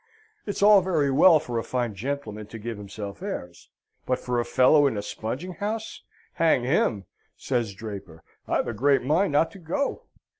"It's all very well for a fine gentleman to give himself airs; but for a fellow in a spunging house! Hang him!" says Draper, "I've a great mind not to go!"